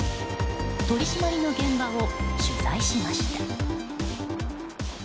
取り締まりの現場を取材しました。